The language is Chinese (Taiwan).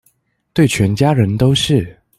對全家人都是